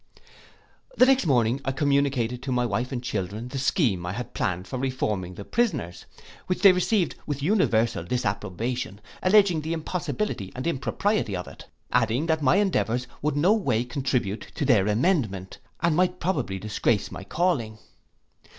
The next morning I communicated to my wife and children the scheme I had planned of reforming the prisoners, which they received with universal disapprobation, alledging the impossibility and impropriety of it; adding, that my endeavours would no way contribute to their amendment, but might probably disgrace my calling.